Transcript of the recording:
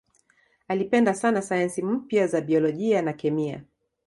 Alipenda sana sayansi mpya za biolojia na kemia.